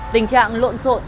tình trạng luộn sộn